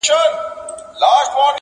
خو هر غوږ نه وي لایق د دې خبرو؛